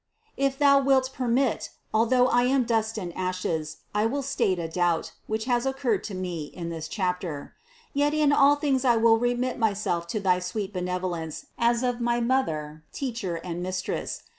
If Thou wilt permit, although I am dust and ashes, I will state a doubt, which has occurred to me, in this chapter. Yet in all things I will remit myself to thy sweet benevolence as of my Mother, Teacher and Mistress.